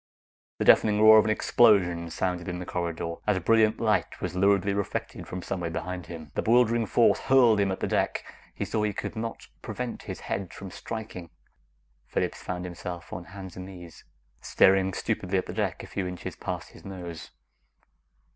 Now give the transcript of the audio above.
The deafening roar of an explosion resounded in the corridor as a brilliant light was luridly reflected from somewhere behind him. The bewildering force hurled him at the deck; he saw he could not prevent his head from striking Phillips found himself on hands and knees, staring stupidly at the deck a few inches past his nose.